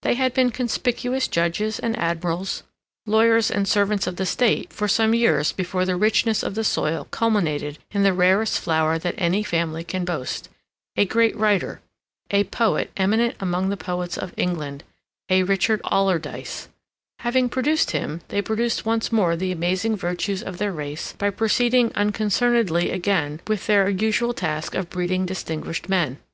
They had been conspicuous judges and admirals, lawyers and servants of the State for some years before the richness of the soil culminated in the rarest flower that any family can boast, a great writer, a poet eminent among the poets of England, a Richard Alardyce; and having produced him, they proved once more the amazing virtues of their race by proceeding unconcernedly again with their usual task of breeding distinguished men.